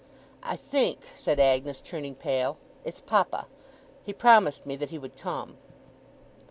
'I think,' said Agnes, turning pale, 'it's papa. He promised me that he would come.